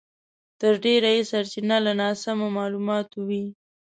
تر ډېره یې سرچينه له ناسمو مالوماتو وي.